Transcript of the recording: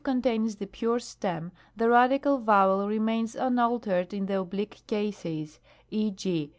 contains the pure stem, the radical vowel remains unaltered in the oblique cases, e. g.